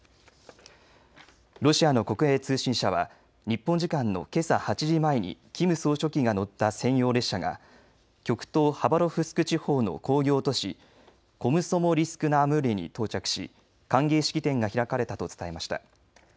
ロシアの国営通信社は日本時間のけさ８時前にキム総書記が乗った専用列車が極東ハバロフスク地方の工業都市コムソモリスク・ナ・アムーレに到着し歓迎式典が開かれたと伝えました。